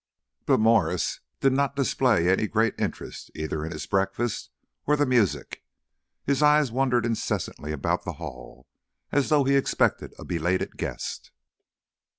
But Mwres did not display any great interest either in his breakfast or the music; his eye wandered incessantly about the hall, as though he expected a belated guest.